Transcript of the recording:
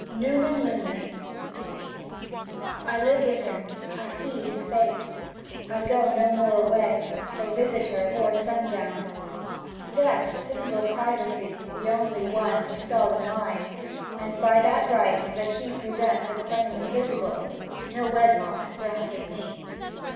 XX. NUMEN LUMEN. I live with him, I see his face; I go no more away For visitor, or sundown; Death's single privacy, The only one forestalling mine, And that by right that he Presents a claim invisible, No wedlock granted me.